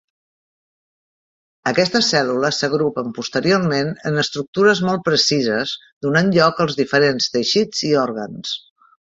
Aquestes cèl·lules s'agrupen posteriorment en estructures molt precises, donant lloc als diferents teixits i òrgans.